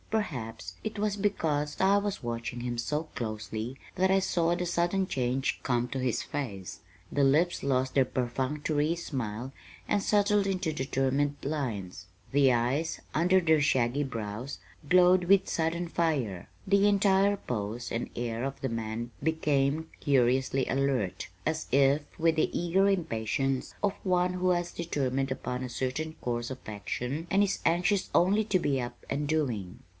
Perhaps it was because I was watching him so closely that I saw the sudden change come to his face. The lips lost their perfunctory smile and settled into determined lines. The eyes, under their shaggy brows, glowed with sudden fire. The entire pose and air of the man became curiously alert, as if with the eager impatience of one who has determined upon a certain course of action and is anxious only to be up and doing.